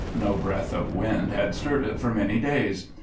No breath of wind had stirred it for many days.